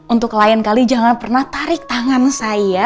untuk klien kali jangan pernah tarik tangan saya